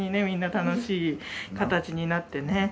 みんな楽しい形になってね。